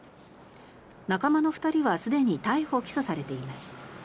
仲間の２人はすでに逮捕・起訴されています。